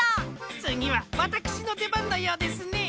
つぎはわたくしのでばんのようですね。